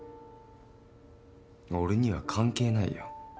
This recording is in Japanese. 俺には関係ないよ